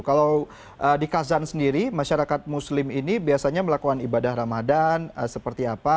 kalau di kazan sendiri masyarakat muslim ini biasanya melakukan ibadah ramadan seperti apa